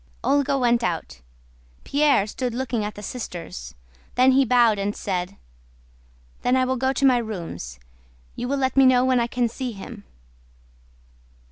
Olga went out. Pierre stood looking at the sisters; then he bowed and said: "Then I will go to my rooms. You will let me know when I can see him."